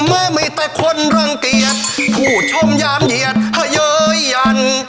เมื่อมีแต่คนรังเกียจผู้ชมยามเหยียดให้เย้ยยัน